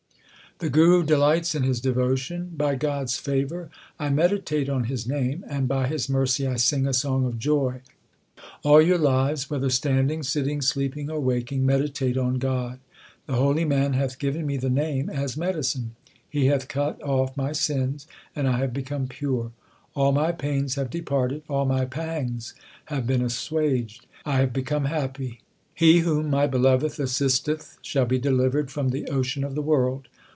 The Guru delights in his devotion : By God s favour I meditate on His name, And by His mercy I sing a song of joy. All your lives whether standing, sitting, sleeping, or waking, meditate on God, The holy man hath given me the Name as medicine ; He hath cut off my sins, and I have become pure : All my pains have departed, all my pangs have been assuaged, and I have become happy. He whom my Beloved assisteth Shall be delivered from the ocean of the world.